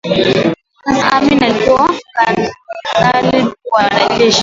Sasa Amin alikuwa kanali na Mkuu waJeshi